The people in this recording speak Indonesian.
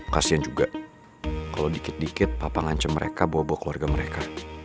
kasian juga kalo dikit dikit papa ngancem mereka bobok keluarga mereka